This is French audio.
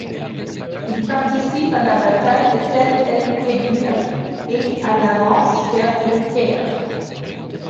Il participe à la bataille de Tel el-Kebir et à l'avance vers Le Caire.